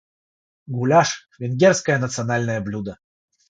Гуляш - венгерское национальное блюдо.